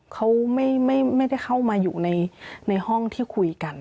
เขาไม่ได้เข้ามาอยู่ในห้องที่คุยกัน